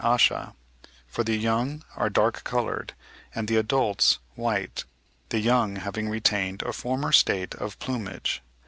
asha, for the young are dark coloured and the adults white, the young having retained a former state of plumage.